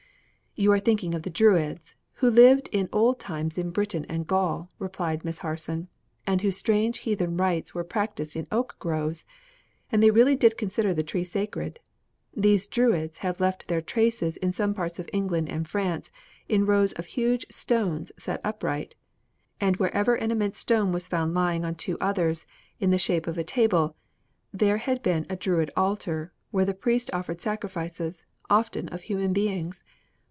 "You are thinking of the Druids, who lived in old times in Britain and Gaul," replied Miss Harson, "and whose strange heathen rites were practiced in oak groves; and they really did consider the tree sacred. These Druids have left their traces in some parts of England and France in rows of huge stones set upright; and wherever an immense stone was found lying on two others, in the shape of a table, there had been a Druid altar, where the priest offered sacrifices, often of human beings.